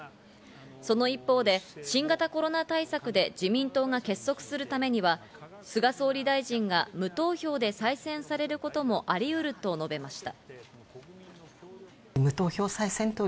その一方で新型コロナ対策で自民党が結束するためには菅総理大臣が無投票で再選されることもありうると述べました。